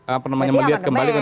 apa namanya melihat kembali